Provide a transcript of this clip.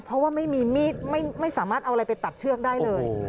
เพราะว่าไม่มีมีดไม่สามารถเอาอะไรไปตัดเชือกได้เลย